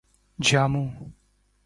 جامو